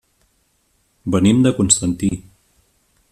Venim de Constantí.